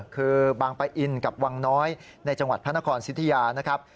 คือบางปะอินกับวังน้อยในจังหวัดพระนครสิทธิยานะครับ